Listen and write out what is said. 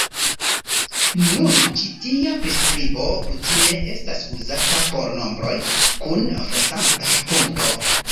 Nun ĉi tia priskribo kutime estas uzata por nombroj kun flosanta punkto.